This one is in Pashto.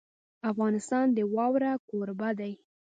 افغانستان د واوره کوربه دی.